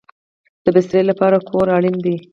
د بسترې لپاره کور اړین دی